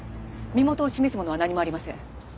身元を示すものは何もありません。